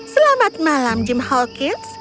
selamat malam jim hawkins